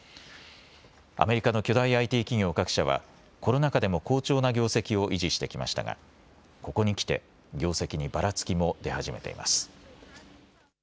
アメリカの巨大ＩＴ企業各社はコロナ禍でも好調な業績を維持してきましたが、ここに来て業績にばらつきも出始めています。